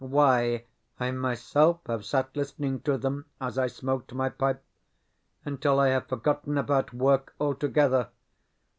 Why, I myself have sat listening to them, as I smoked my pipe, until I have forgotten about work altogether.